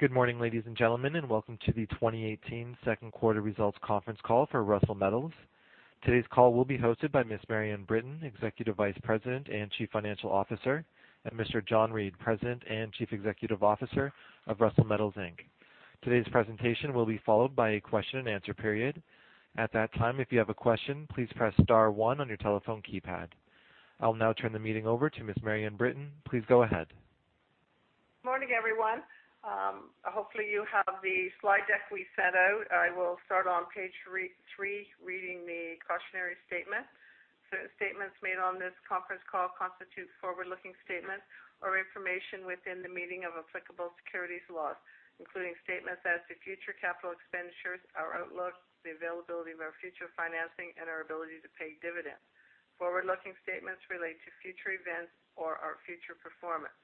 Good morning, ladies and gentlemen, and welcome to the 2018 second quarter results conference call for Russel Metals. Today's call will be hosted by Marion Britton, Executive Vice President and Chief Financial Officer, and John Reid, President and Chief Executive Officer of Russel Metals, Inc. Today's presentation will be followed by a question and answer period. At that time, if you have a question, please press star one on your telephone keypad. I will now turn the meeting over to Marion Britton. Please go ahead. Morning, everyone. Hopefully, you have the slide deck we sent out. I will start on page three, reading the cautionary statement. "Statements made on this conference call constitute forward-looking statements or information within the meaning of applicable securities laws, including statements as to future capital expenditures, our outlook, the availability of our future financing, and our ability to pay dividends. Forward-looking statements relate to future events or our future performance.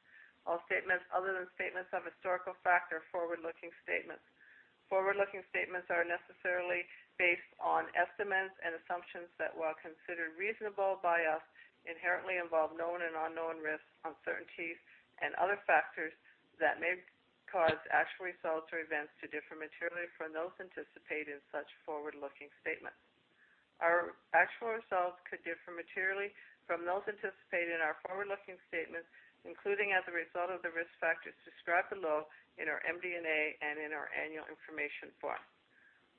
All statements other than statements of historical fact are forward-looking statements. Forward-looking statements are necessarily based on estimates and assumptions that while considered reasonable by us, inherently involve known and unknown risks, uncertainties, and other factors that may cause actual results or events to differ materially from those anticipated in such forward-looking statements. Our actual results could differ materially from those anticipated in our forward-looking statements, including as a result of the risk factors described below, in our MD&A, and in our annual information form.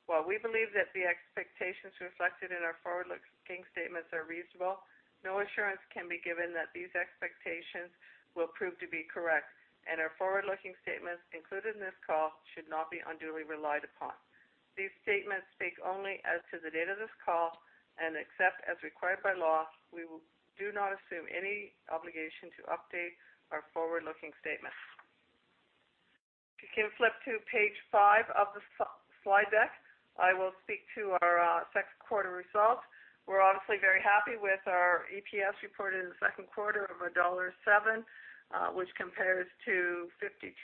While we believe that the expectations reflected in our forward-looking statements are reasonable, no assurance can be given that these expectations will prove to be correct, and our forward-looking statements included in this call should not be unduly relied upon. These statements speak only as to the date of this call, and except as required by law, we will not assume any obligation to update our forward-looking statements." If you can flip to page five of the slide deck, I will speak to our second quarter results. We're obviously very happy with our EPS reported in the second quarter of dollar 1.07, which compares to 0.52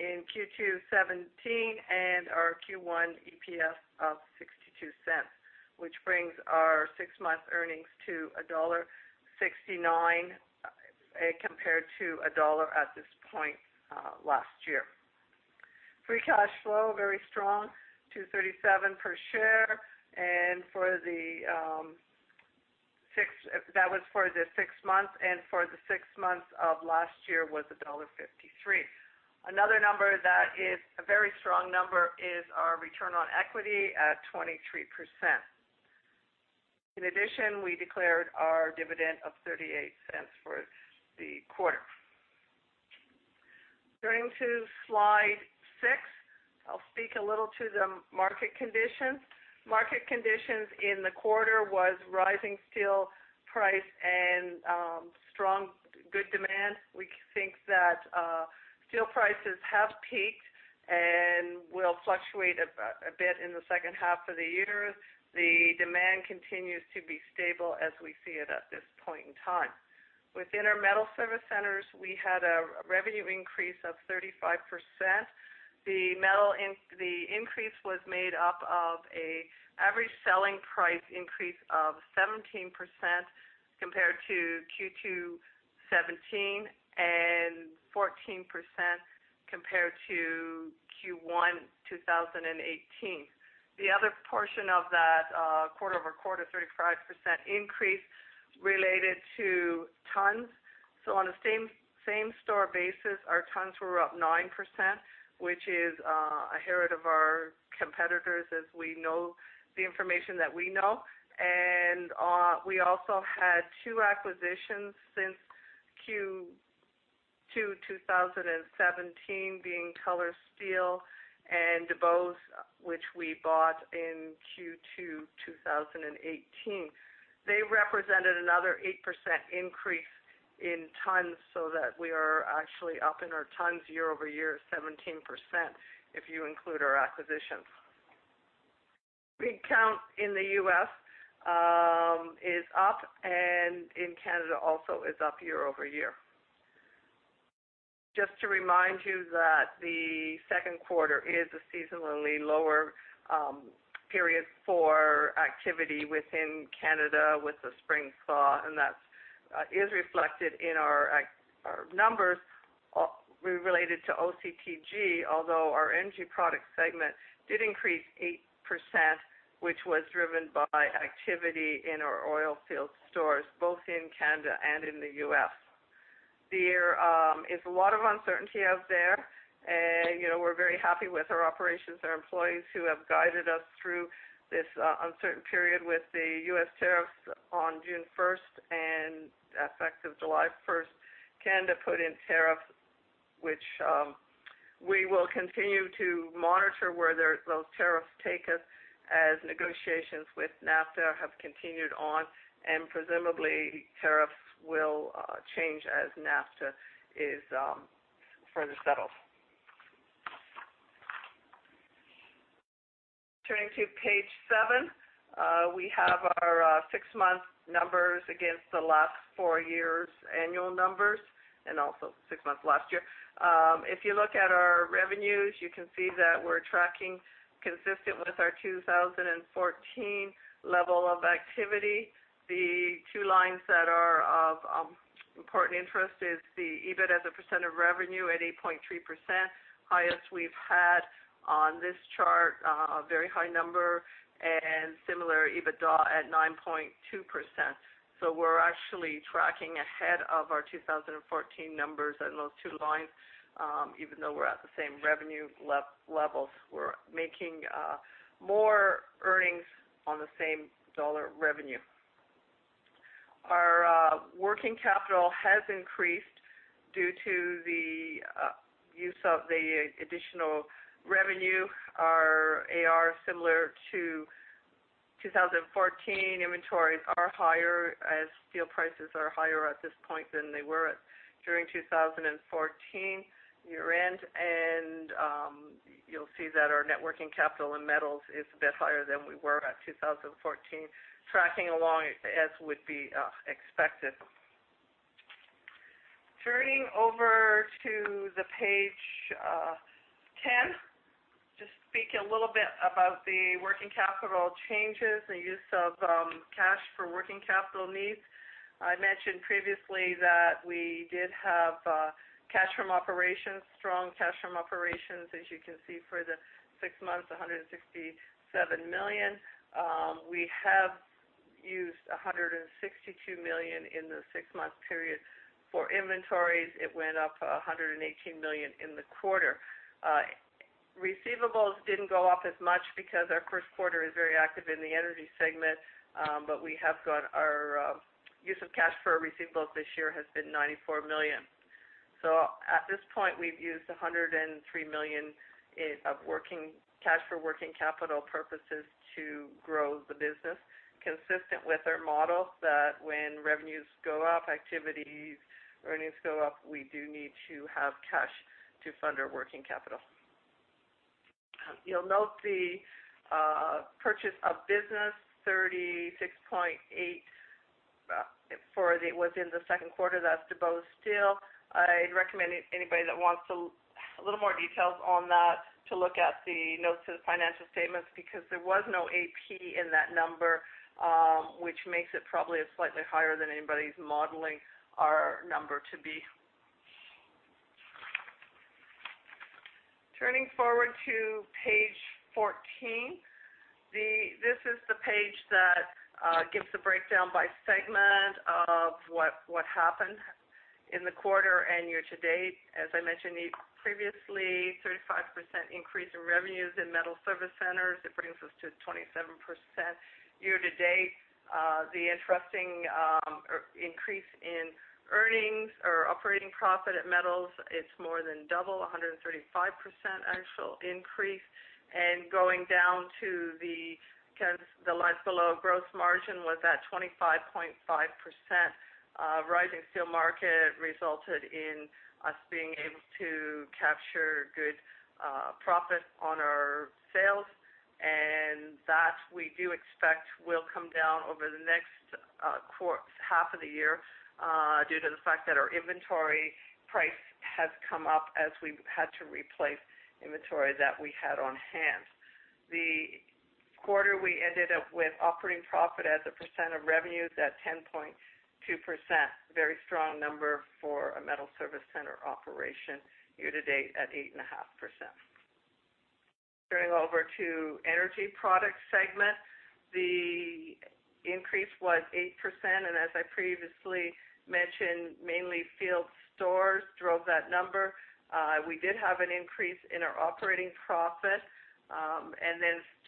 in Q2 2017 and our Q1 EPS of 0.62, which brings our six-month earnings to dollar 1.69, compared to CAD 1 at this point last year. Free cash flow, very strong, 2.37 per share. That was for the six months, and for the six months of last year was dollar 1.53. Another number that is a very strong number is our return on equity at 23%. In addition, we declared our dividend of 0.38 for the quarter. Turning to slide six, I will speak a little to the market conditions. Market conditions in the quarter was rising steel price and strong, good demand. We think that steel prices have peaked and will fluctuate a bit in the second half of the year. The demand continues to be stable as we see it at this point in time. Within our metal service centers, we had a revenue increase of 35%. The increase was made up of an average selling price increase of 17% compared to Q2 2017 and 14% compared to Q1 2018. The other portion of that quarter-over-quarter 35% increase related to tons. On a same-store basis, our tons were up 9%, which is ahead of our competitors as we know the information that we know. We also had two acquisitions since Q2 2017, being Teller Steel and DuBose, which we bought in Q2 2018. They represented another 8% increase in tons so that we are actually up in our tons year-over-year 17%, if you include our acquisitions. Rig count in the U.S. is up and in Canada also is up year-over-year. Just to remind you that the second quarter is a seasonally lower period for activity within Canada with the spring thaw, and that is reflected in our numbers related to OCTG, although our energy product segment did increase 8%, which was driven by activity in our oil field stores both in Canada and in the U.S. There is a lot of uncertainty out there. We're very happy with our operations, our employees who have guided us through this uncertain period with the U.S. tariffs on June 1st and effective July 1st. Canada put in tariffs, which we will continue to monitor where those tariffs take us as negotiations with NAFTA have continued on, and presumably tariffs will change as NAFTA is further settled. Turning to page seven, we have our six-month numbers against the last four years' annual numbers and also six months last year. If you look at our revenues, you can see that we're tracking consistent with our 2014 level of activity. The two lines that are of important interest is the EBIT as a % of revenue at 8.3%, highest we've had on this chart, a very high number, and similar EBITDA at 9.2%. We're actually tracking ahead of our 2014 numbers on those two lines. Even though we're at the same revenue levels, we're making more earnings on the same dollar revenue. Our working capital has increased due to the use of the additional revenue. Our AR similar to 2014. Inventories are higher as steel prices are higher at this point than they were at during 2014 year-end. You'll see that our net working capital in metals is a bit higher than we were at 2014, tracking along as would be expected. Turning over to page 10, just speak a little bit about the working capital changes, the use of cash for working capital needs. I mentioned previously that we did have cash from operations, strong cash from operations, as you can see, for the six months, 167 million. We have used 162 million in the six-month period for inventories. It went up 118 million in the quarter. Receivables didn't go up as much because our first quarter is very active in the energy segment, but we have got our use of cash for receivables this year has been 94 million. At this point, we've used 103 million of cash for working capital purposes to grow the business, consistent with our model that when revenues go up, activity earnings go up, we do need to have cash to fund our working capital. You'll note the purchase of business, 36.8 for within the second quarter, that's DuBose Steel. I'd recommend anybody that wants a little more details on that to look at the notes to the financial statements, because there was no AP in that number, which makes it probably slightly higher than anybody's modeling our number to be. Turning forward to page 14. This is the page that gives a breakdown by segment of what happened in the quarter and year to date. As I mentioned previously, 35% increase in revenues in metal service centers. It brings us to 27% year to date. The interesting increase in earnings or operating profit at metals, it's more than double, 135% actual increase. Going down to the lines below, gross margin was at 25.5%. Rising steel market resulted in us being able to capture good profit on our sales, that we do expect will come down over the next half of the year due to the fact that our inventory price has come up as we've had to replace inventory that we had on hand. The quarter we ended up with operating profit as a percent of revenues at 10.2%, very strong number for a metal service center operation year to date at 8.5%. Turning over to energy products segment, the increase was 8%, as I previously mentioned, mainly field stores drove that number. We did have an increase in our operating profit.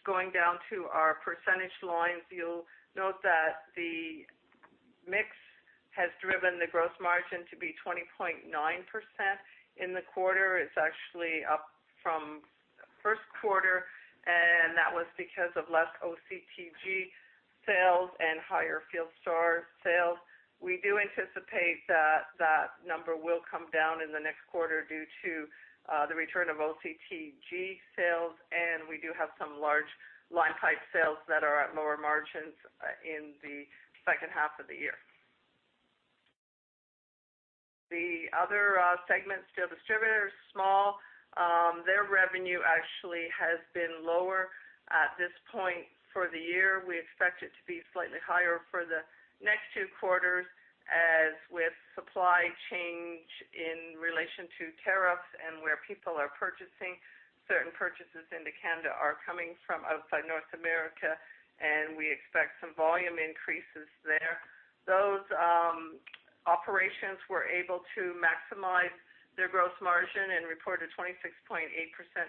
Going down to our percentage lines, you'll note that the mix has driven the gross margin to be 20.9% in the quarter. It's actually up from first quarter, that was because of less OCTG sales and higher field store sales. We do anticipate that that number will come down in the next quarter due to the return of OCTG sales, we do have some large line pipe sales that are at lower margins in the second half of the year. The other segment, steel distributors, small. Their revenue actually has been lower at this point for the year. We expect it to be slightly higher for the next two quarters as with supply change in relation to tariffs and where people are purchasing. Certain purchases into Canada are coming from outside North America, we expect some volume increases there. Those operations were able to maximize their gross margin and report a 26.8%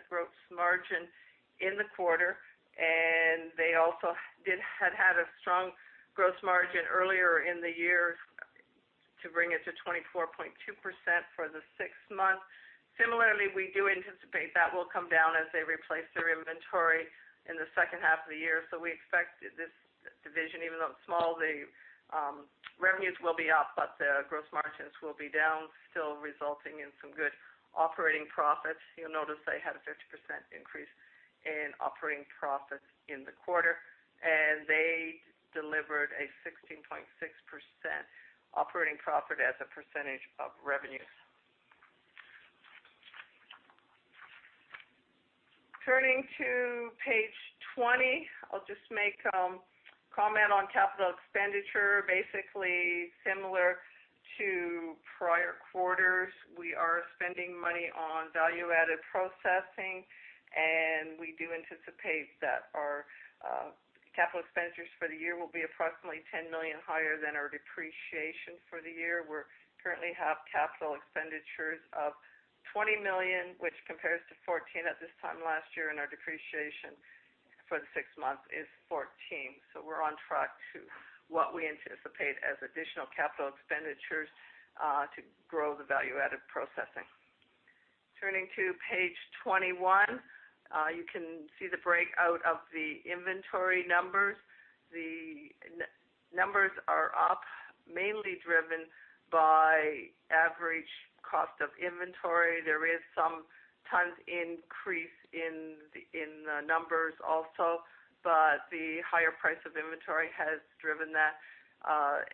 gross margin in the quarter. They also had a strong gross margin earlier in the year to bring it to 24.2% for the six months. Similarly, we do anticipate that will come down as they replace their inventory in the second half of the year. We expect this division, even though it's small, the revenues will be up, the gross margins will be down, still resulting in some good operating profits. You'll notice they had a 50% increase in operating profits in the quarter, they delivered a 16.6% operating profit as a percentage of revenue. Turning to page 20, I'll just make comment on capital expenditure. Basically similar to prior quarters. We are spending money on value-added processing, and we do anticipate that our capital expenditures for the year will be approximately 10 million higher than our depreciation for the year. We currently have capital expenditures of 20 million, which compares to 14 at this time last year, and our depreciation for the six months is 14. We're on track to what we anticipate as additional capital expenditures to grow the value-added processing. Turning to page 21. You can see the breakout of the inventory numbers. The numbers are up mainly driven by average cost of inventory. There is some tons increase in the numbers also, but the higher price of inventory has driven that.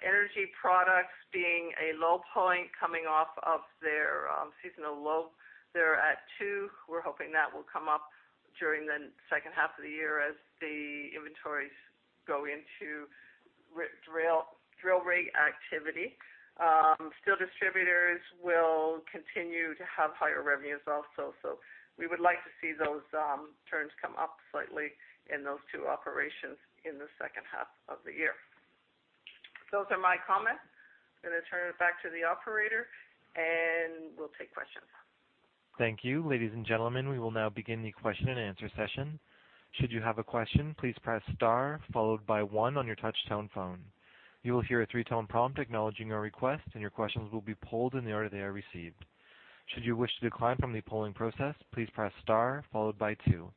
Energy products being a low point, coming off of their seasonal low. They're at two. We're hoping that will come up during the second half of the year as the inventories go into drill rig activity. Steel distributors will continue to have higher revenues also. We would like to see those turns come up slightly in those two operations in the second half of the year. Those are my comments. I'm going to turn it back to the operator, and we'll take questions. Thank you. Ladies and gentlemen, we will now begin the question and answer session. Should you have a question, please press star followed by one on your touchtone phone. You will hear a three-tone prompt acknowledging your request, and your questions will be polled in the order they are received. Should you wish to decline from the polling process, please press star followed by two.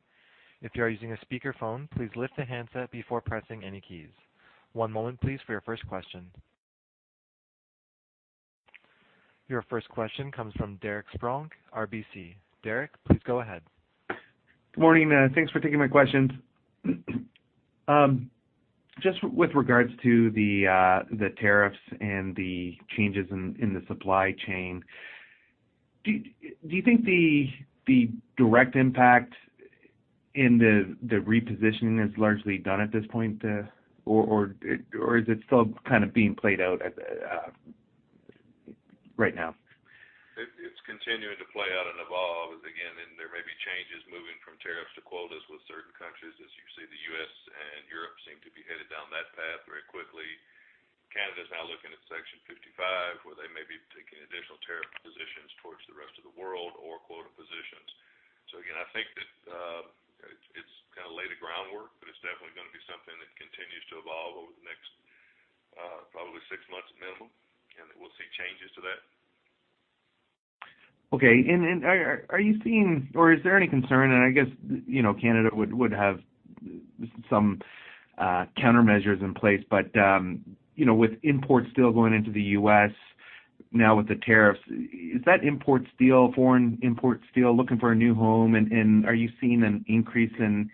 If you are using a speakerphone, please lift the handset before pressing any keys. One moment please, for your first question. Your first question comes from Derek Spronck, RBC. Derek, please go ahead. Good morning. Thanks for taking my questions. Just with regards to the tariffs and the changes in the supply chain, do you think the direct impact in the repositioning is largely done at this point? Is it still kind of being played out right now? It's continuing to play out and evolve. Again, there may be changes moving from tariffs to quotas with certain countries. As you see, the U.S. and Europe seem to be headed down that path very quickly. Canada is now looking at Section 55, where they may be taking additional tariff positions towards the rest of the world or quota positions. Again, I think that it's kind of laid the groundwork, but it's definitely going to be something that continues to evolve over the next probably 6 months minimum, and we'll see changes to that. Okay. Are you seeing, or is there any concern? I guess Canada would have some countermeasures in place, but with import steel going into the U.S. now with the tariffs, is that import steel, foreign import steel, looking for a new home? Are you seeing an increase in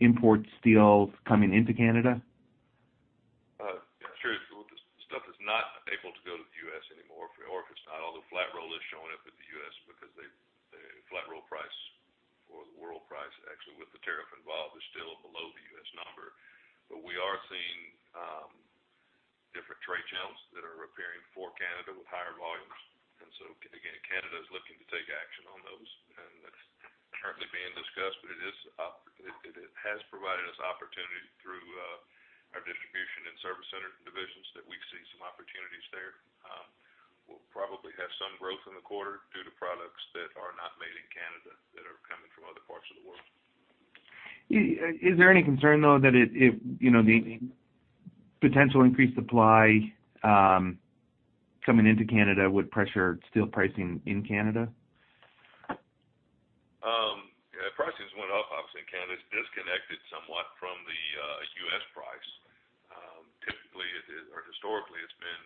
import steels coming into Canada? Sure. Stuff that's not able to go to the U.S. anymore, or if it's not, although flat roll is showing up in the U.S. because the flat roll price, or the world price actually, with the tariff involved, is still below the U.S. number. We are seeing different trade channels that are appearing for Canada with higher volumes. Again, Canada is looking to take action on those, and that's currently being discussed. It has provided us opportunity through our distribution and service center divisions that we see some opportunities there. We'll probably have some growth in the quarter due to products that are not made in Canada that are coming from other parts of the world. Is there any concern, though, that the potential increased supply coming into Canada would pressure steel pricing in Canada? Prices went up. Obviously, Canada is disconnected somewhat from the U.S. price. Typically, or historically, it's been,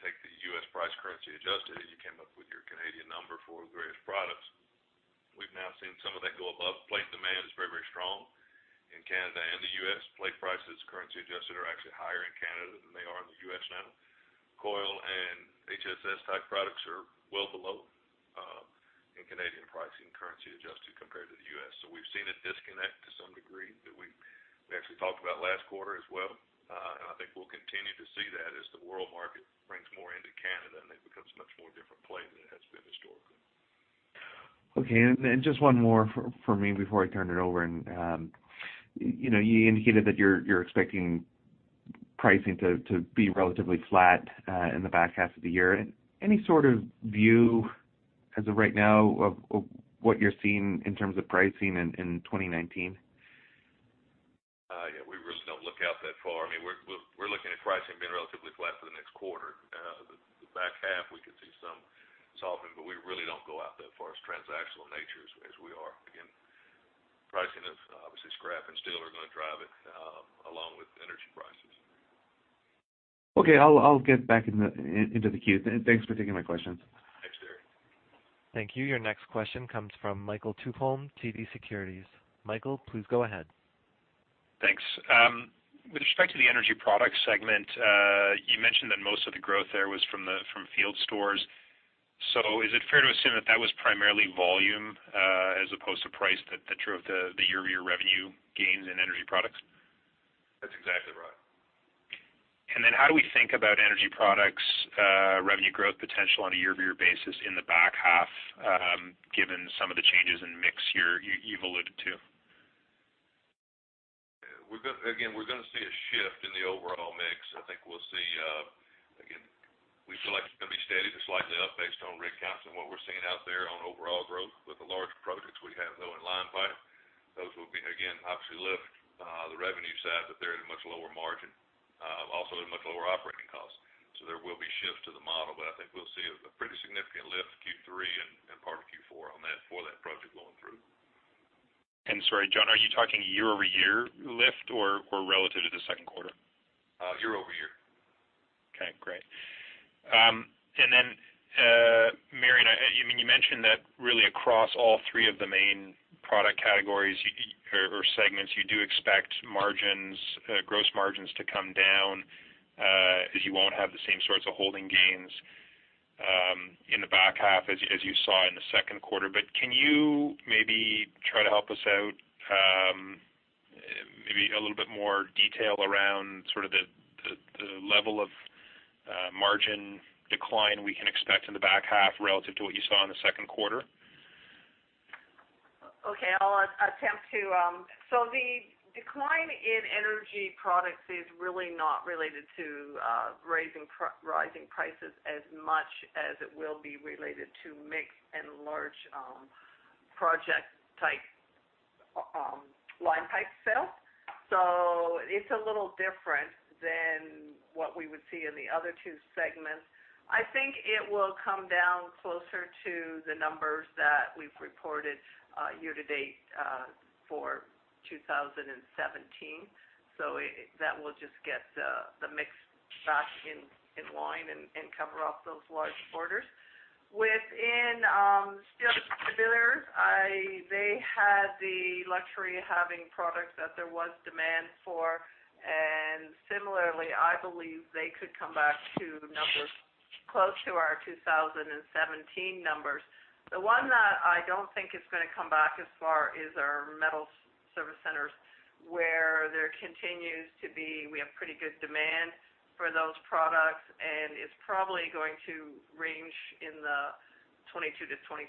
take the U.S. price currency adjusted, and you came up with your Canadian number for various products. We've now seen some of that go above. Plate demand is very, very strong in Canada and the U.S. Plate prices, currency adjusted, are actually higher in Canada than they are in the U.S. now. Coil and HSS-type products are well below in Canadian pricing, currency adjusted, compared to the U.S. We've seen a disconnect to some degree that we actually talked about last quarter as well. I think we'll continue to see that as the world market brings more into Canada, and it becomes a much more different play than it has been historically. Okay. Just one more from me before I turn it over. You indicated that you're expecting pricing to be relatively flat in the back half of the year. Any sort of view as of right now of what you're seeing in terms of pricing in 2019? We really don't look out that far. We're looking at pricing being relatively flat for the next quarter. The back half, we could see some softening, we really don't go out that far as transactional nature as we are. Again, pricing of, obviously, scrap and steel are going to drive it, along with energy prices. Okay. I'll get back into the queue. Thanks for taking my questions. Thanks, Derek. Thank you. Your next question comes from Michael Tupholme, TD Securities. Michael, please go ahead. Thanks. With respect to the energy product segment, you mentioned that most of the growth there was from field stores. Is it fair to assume that that was primarily volume as opposed to price that drove the year-over-year revenue gains in energy products? That's exactly right. Then how do we think about energy products revenue growth potential on a year-over-year basis in the back half, given some of the changes in mix here you've alluded to? Again, we're going to see a shift in the overall mix. I think we'll see, again, we feel like it's going to be steady to slightly up based on rig counts and what we're seeing out there on overall growth with the large projects we have, though, in line pipe. Those will, again, obviously lift the revenue side, but they're at a much lower margin, also at much lower operating costs. So there will be shifts to the model, but I think we'll see a pretty significant lift Q3 and part of Q4 on that for that project going through. Sorry, John, are you talking year-over-year lift or relative to the second quarter? Year-over-year. Okay, great. Then, Marion, you mentioned that really across all three of the main product categories or segments, you do expect gross margins to come down, as you won't have the same sorts of holding gains in the back half as you saw in the second quarter. Can you maybe try to help us out, maybe a little bit more detail around sort of the level of margin decline we can expect in the back half relative to what you saw in the second quarter? Okay, I'll attempt to. The decline in energy products is really not related to rising prices as much as it will be related to mix and large project-type line pipe sales. It's a little different than what we would see in the other two segments. I think it will come down closer to the numbers that we've reported year to date for 2017. That will just get the mix back in line and cover off those large orders. Within steel distributors, they had the luxury of having products that there was demand for, and similarly, I believe they could come back to numbers close to our 2017 numbers. The one that I don't think is going to come back as far is our metal service centers, where we have pretty good demand for those products, and it's probably going to range in the 22%-23%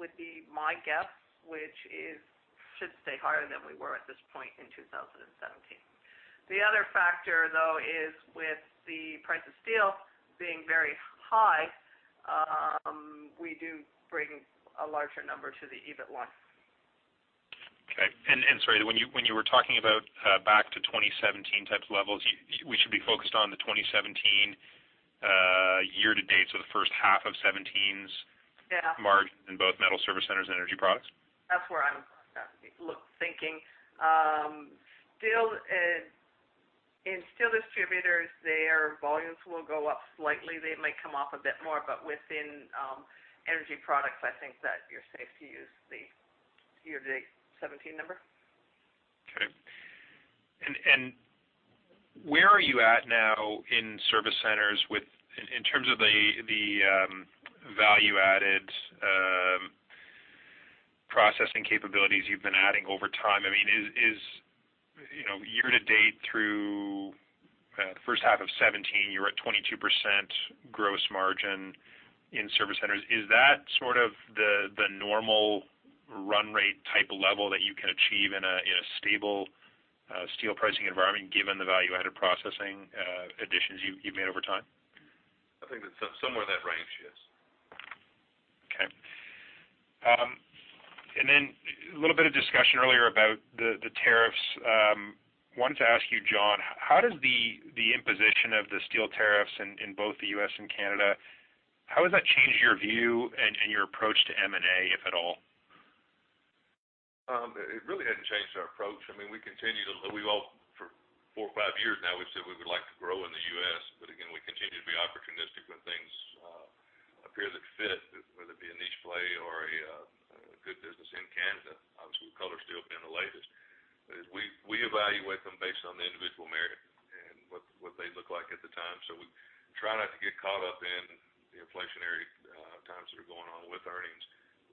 would be my guess, which should stay higher than we were at this point in 2017. The other factor, though, is with the price of steel being very high, we do bring a larger number to the EBIT line. Okay. Sorry, when you were talking about back to 2017 type levels, we should be focused on the 2017 year to date, so the first half of '17s. Yeah margin in both metal service centers and energy products? That's where I'm thinking. In steel distributors, their volumes will go up slightly. They may come off a bit more, but within energy products, I think that you're safe to use the year to date 2017 number. Okay. Where are you at now in service centers in terms of the value-added processing capabilities you've been adding over time? Year to date through the first half of 2017, you were at 22% gross margin in service centers. Is that sort of the normal run rate type level that you can achieve in a stable steel pricing environment, given the value-added processing additions you've made over time? I think that's somewhere in that range, yes. Okay. Then a little bit of discussion earlier about the tariffs. Wanted to ask you, John, how does the imposition of the steel tariffs in both the U.S. and Canada, how has that changed your view and your approach to M&A, if at all? It really hasn't changed our approach. For four or five years now, we've said we would like to grow in the U.S., again, we continue to be opportunistic when things appear that fit, whether it be a niche play or a good business in Canada. Obviously, Color Steels being the latest. We evaluate them based on the individual merit and what they look like at the time. We try not to get caught up in the inflationary times that are going on with earnings.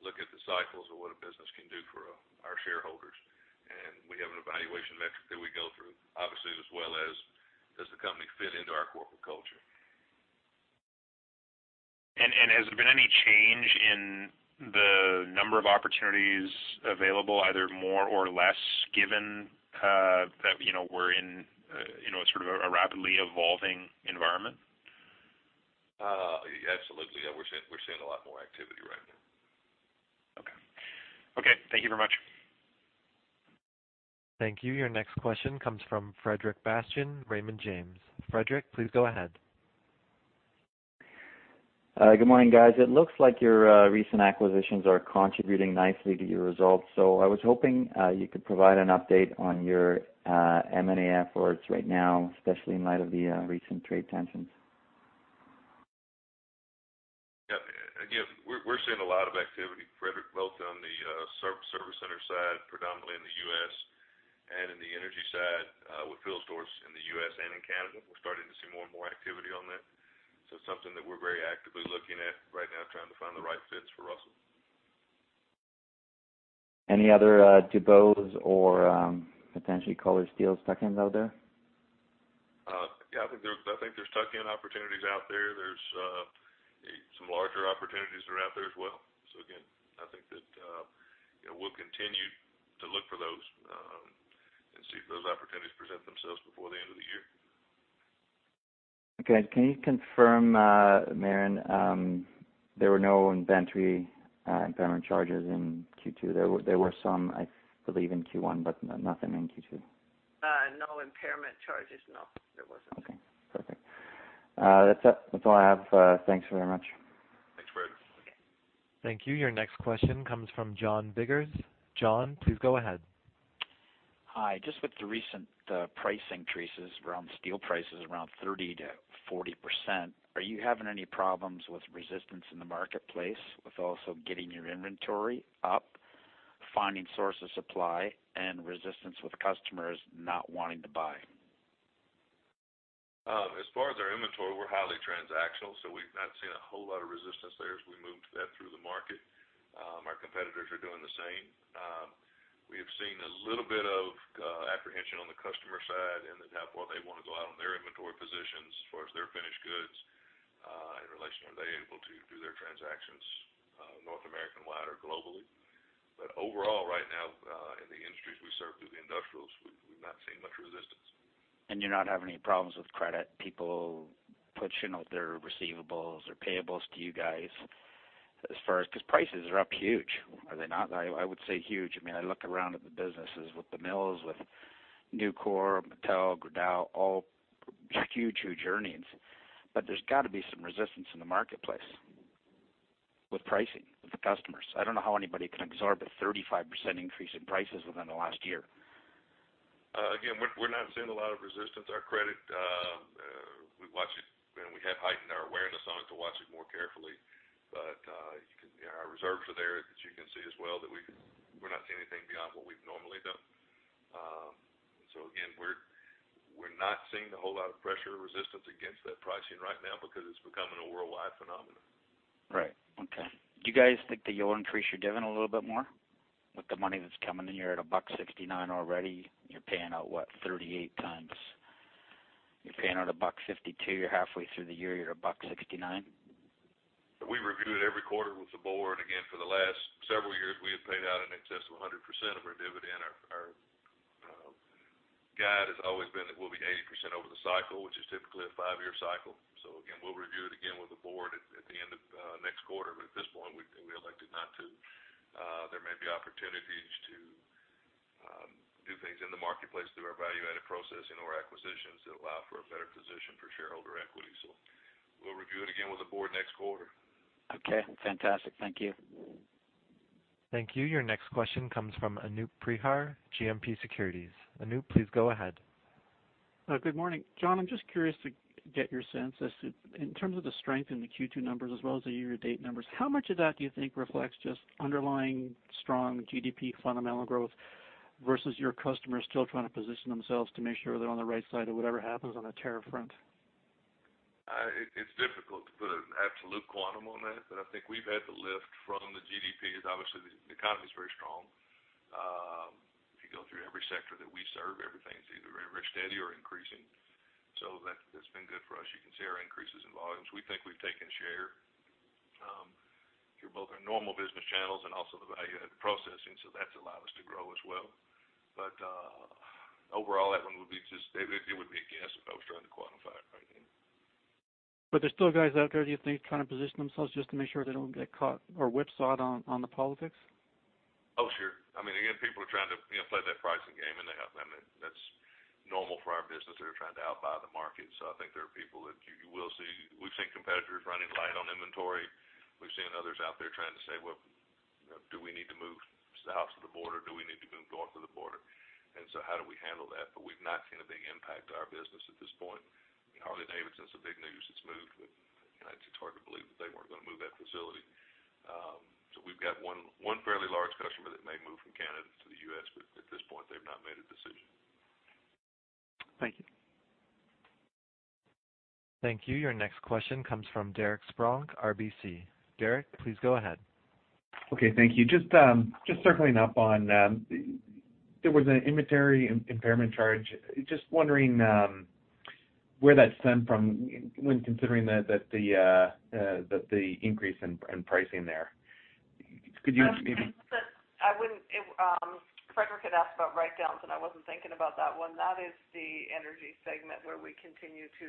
Look at the cycles of what a business can do for our shareholders. We have an evaluation metric that we go through, obviously, as well as does the company fit into our corporate culture. Has there been any change in the number of opportunities available, either more or less, given that we're in a sort of a rapidly evolving environment? Absolutely. Yeah, we're seeing a lot more activity right now. Okay. Thank you very much. Thank you. Your next question comes from Frederic Bastien, Raymond James. Frederic, please go ahead. Good morning, guys. I was hoping you could provide an update on your M&A efforts right now, especially in light of the recent trade tensions. We're seeing a lot of activity, Frederic, both on the service center side, predominantly in the U.S., and in the energy side with field stores in the U.S. and in Canada. We're starting to see more and more activity on that. It's something that we're very actively looking at right now, trying to find the right fits for Russel. Any other DuBose or potentially Color Steels tuck-ins out there? Yeah, I think there's tuck-in opportunities out there. There's some larger opportunities that are out there as well. Again, I think that we'll continue to look for those, and see if those opportunities present themselves before the end of the year. Okay. Can you confirm, Marion, there were no inventory impairment charges in Q2? There were some, I believe, in Q1, but nothing in Q2. No impairment charges, no. There wasn't. Okay, perfect. That's all I have. Thanks very much. Thanks, Frederic. Okay. Thank you. Your next question comes from John Biggers. John, please go ahead. Hi. Just with the recent price increases around steel prices around 30%-40%, are you having any problems with resistance in the marketplace with also getting your inventory up, finding sources supply, and resistance with customers not wanting to buy? As far as our inventory, we're highly transactional, so we've not seen a whole lot of resistance there as we moved that through the market. Our competitors are doing the same. We have seen a little bit of apprehension on the customer side in that what they want to go out on their inventory positions as far as their finished goods, in relation, are they able to do their transactions North American wide or globally. Overall, right now, in the industries we serve through the industrials, we've not seen much resistance. You're not having any problems with credit, people pushing out their receivables or payables to you guys as far as Because prices are up huge. Are they not? I would say huge. I look around at the businesses with the mills, with Nucor, ArcelorMittal, Gerdau, all huge earnings. There's got to be some resistance in the marketplace with pricing with the customers. I don't know how anybody can absorb a 35% increase in prices within the last year. Again, we're not seeing a lot of resistance. Our credit, we watch it, and we have heightened our awareness on it to watch it more carefully. Our reserves are there, as you can see as well, that we're not seeing anything beyond what we've normally done. Again, we're not seeing a whole lot of pressure or resistance against that pricing right now because it's becoming a worldwide phenomenon. Right. Okay. Do you guys think that you'll increase your dividend a little bit more with the money that's coming in? You're at 1.69 already. You're paying out, what, 38 times. You're paying out 1.52. You're halfway through the year. You're at 1.69. We review it every quarter with the board. Again, for the last several years, we have paid out in excess of 100% of our dividend. Our guide has always been that we'll be 80% over the cycle, which is typically a five-year cycle. Again, we'll review it again with the board at the end of next quarter. At this point, we elected not to. There may be opportunities to do things in the marketplace through our value-added processing or acquisitions that allow for a better position for shareholder equity. We'll review it again with the board next quarter. Okay. Fantastic. Thank you. Thank you. Your next question comes from Anoop Prihar, GMP Securities. Anop, please go ahead. Good morning. John, I'm just curious to get your sense as to in terms of the strength in the Q2 numbers as well as the year-to-date numbers, how much of that do you think reflects just underlying strong GDP fundamental growth versus your customers still trying to position themselves to make sure they're on the right side of whatever happens on the tariff front? It's difficult to put an absolute quantum on that. I think we've had the lift from the GDP because obviously the economy's very strong. If you go through every sector that we serve, everything's either very steady or increasing. That's been good for us. You can see our increases in volumes. We think we've taken share through both our normal business channels and also the value-added processing. That's allowed us to grow as well. Overall, that one would be a guess if I was trying to quantify it right now. There's still guys out there, do you think, trying to position themselves just to make sure they don't get caught or whipsawed on the politics? Oh, sure. Again, people are trying to play that pricing game, and that's normal for our business. They're trying to outbuy the market. I think there are people that you will see. We've seen competitors running light on inventory. We've seen others out there trying to say, "Well, do we need to move south of the border? Do we need to move north of the border?" How do we handle that? We've not seen a big impact to our business at this point. Harley-Davidson's the big news that's moved, but it's hard to believe that they weren't going to move that facility. We've got one fairly large customer that may move from Canada to the U.S., but at this point, they've not made a decision. Thank you. Thank you. Your next question comes from Derek Spronck, RBC. Derek, please go ahead. Okay. Thank you. Just circling up on, there was an inventory impairment charge. Just wondering where that stemmed from when considering that the increase in pricing there. Frederic had asked about write-downs, I wasn't thinking about that one. That is the energy segment where we continue to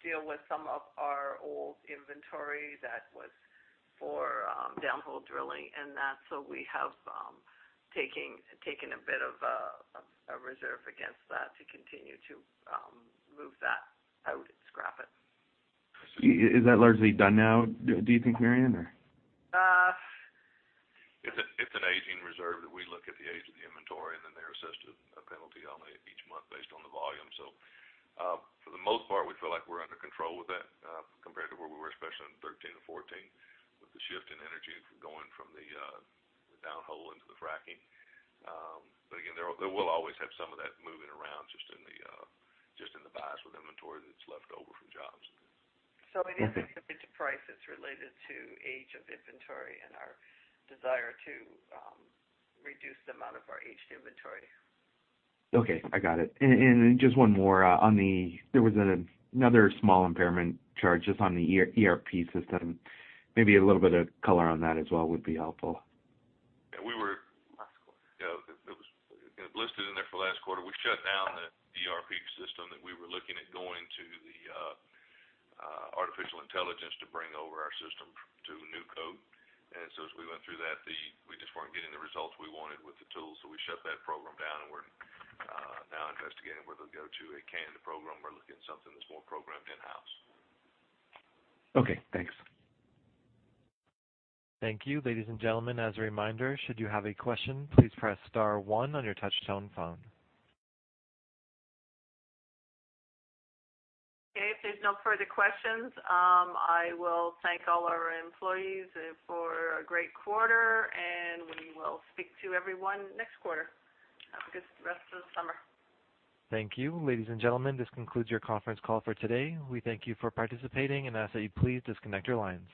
deal with some of our old inventory that was for downhole drilling and that. We have taken a bit of a reserve against that to continue to move that out and scrap it. Is that largely done now, do you think, Marion, or? It's an aging reserve that we look at the age of the inventory, then they're assessed a penalty on each month based on the volume. For the most part, we feel like we're under control with that compared to where we were, especially in 2013 and 2014, with the shift in energy going from the downhole into the fracking. Again, we'll always have some of that moving around just in the buys with inventory that's left over from jobs. It is attributed to price. It's related to age of inventory and our desire to reduce the amount of our aged inventory. Okay. I got it. Just one more. There was another small impairment charge just on the ERP system. Maybe a little bit of color on that as well would be helpful. Yeah. It was listed in there for last quarter. We shut down the ERP system that we were looking at going to the artificial intelligence to bring over our system to new code. As we went through that, we just weren't getting the results we wanted with the tool. We shut that program down, and we're now investigating whether to go to a canned program or looking at something that's more programmed in-house. Okay, thanks. Thank you. Ladies and gentlemen, as a reminder, should you have a question, please press star one on your touch-tone phone. Okay. If there's no further questions, I will thank all our employees for a great quarter, we will speak to everyone next quarter. Have a good rest of the summer. Thank you. Ladies and gentlemen, this concludes your conference call for today. We thank you for participating and ask that you please disconnect your lines.